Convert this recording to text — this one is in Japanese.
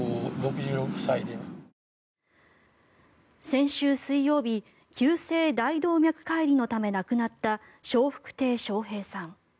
先週水曜日急性大動脈解離のため亡くなった笑福亭笑瓶さん。